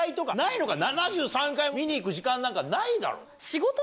７３回見に行く時間なんかないだろ？